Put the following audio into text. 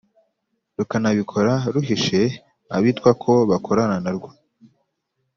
rukanabikora ruhishe abitwa ko bakorana na rwo.